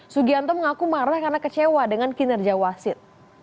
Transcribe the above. sugianto mengaku marah karena kecewa dengan kinerja wasit